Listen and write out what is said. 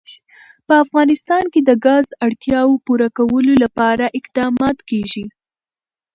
په افغانستان کې د ګاز د اړتیاوو پوره کولو لپاره اقدامات کېږي.